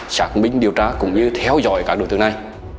xác minh điều tra cũng như theo dõi các đối tượng này